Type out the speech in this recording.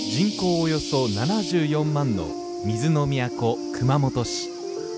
およそ７４万の水の都熊本市。